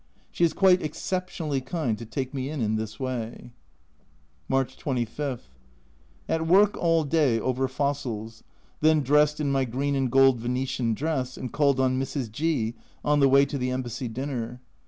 She is quite exceptionally kind to take me in in this way. March 25. At work all day over fossils then dressed in my green and gold Venetian dress and called on Mrs. G on the way to the Embassy dinner.